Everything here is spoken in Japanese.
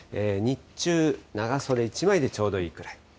日中、長袖１枚でちょうどいいくらい。